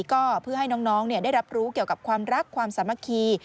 ก็เพื่อให้น้องได้รับรู้เกี่ยวกับความรักความสามัคคี